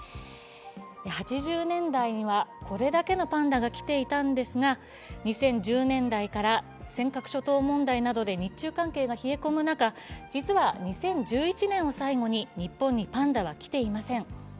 ８０年代には、これだけのパンダが来ていたんですが２０１０年代から尖閣諸島問題などで日中関係が冷え込む中、実は２０１１年を最後に、日本にパンダは来ていません。